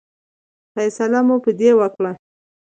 فیصله مو په دې وکړه.